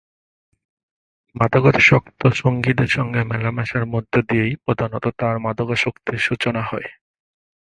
মাদকাসক্ত সঙ্গীদের সঙ্গে মেলামেশার মধ্য দিয়েই প্রধানত তার মাদকাসক্তির সূচনা হয়।